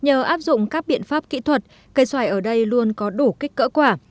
nhờ áp dụng các biện pháp kỹ thuật cây xoài ở đây luôn có đủ kích cỡ quả